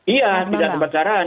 iya tidak tepat sasaran